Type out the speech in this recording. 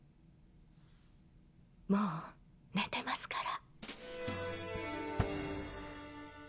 もう寝てますから。